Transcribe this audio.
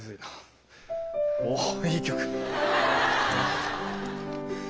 おっいい曲。